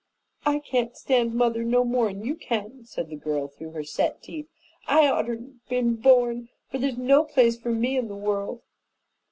"I can't stand mother no more'n you can" said the girl, through her set teeth. "I oughtn'ter been born, for there's no place for me in the world."